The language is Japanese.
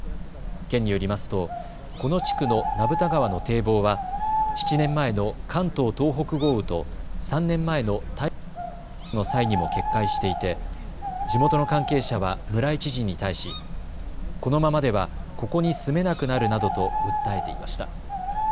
県によりますとこの地区の名蓋川の堤防は７年前の関東・東北豪雨と３年前の台風１９号の際にも決壊していて地元の関係者は村井知事に対しこのままではここに住めなくなるなどと訴えていました。